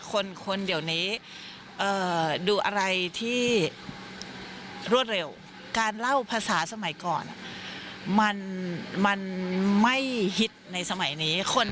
คนเดี๋ยวนี้ดูอะไรที่รวดเร็วการเล่าภาษาสมัยก่อนมันไม่ฮิตในสมัยนี้